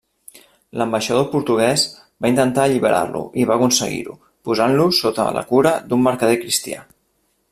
L'ambaixador portuguès va intentar alliberar-lo i va aconseguir-ho, posant-lo sota la cura d'un mercader cristià.